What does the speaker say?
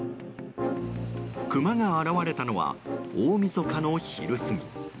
クマが現れたのは大みそかの昼過ぎ。